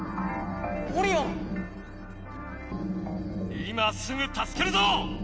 今すぐたすけるぞ！